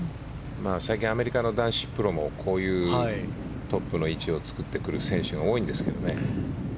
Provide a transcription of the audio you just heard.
最近アメリカの男子プロもこういうトップの位置を作ってくる選手が多いんですよね。